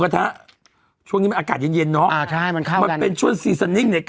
แต่ทานไม่อิ่ม